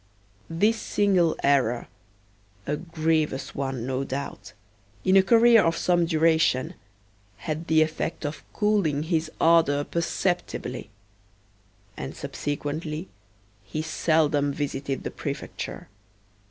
This single error (a grievous one no doubt), in a career of some duration, had the effect of cooling his ardor perceptibly; and subsequently he seldom visited the Prefecture.